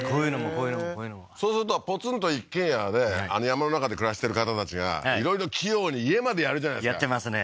こういうのもこういうのもそうするとポツンと一軒家で山の中いろいろ器用に家までやるじゃないですかやってますね